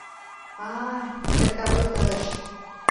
— А-а, метерка вуй толеш!